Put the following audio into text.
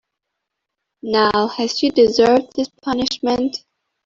Now, has she deserved this punishment?